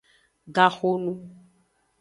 Gaxonu.